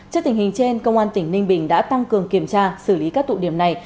trước tình hình trên công an tỉnh ninh bình đã tăng cường kiểm tra xử lý các tụ điểm này